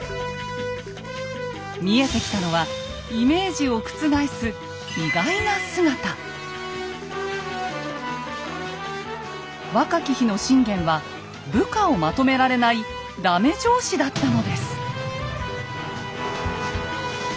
見えてきたのはイメージを覆す若き日の信玄は部下をまとめられないダメ上司だったのです。